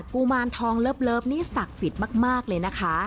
กุมารทองเลิฟนี่ศักดิ์สิทธิ์มากเลยนะคะ